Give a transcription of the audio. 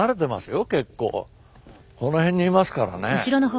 この辺にいますからね。